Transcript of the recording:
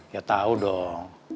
ya tau dong